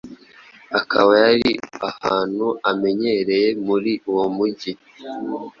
akaba ari ahantu amenyereye muri uwo mujyi.